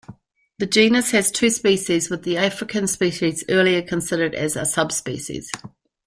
The genus has two species with the African species earlier considered as a subspecies.